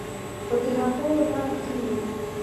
خو د هغو رعب دومره وي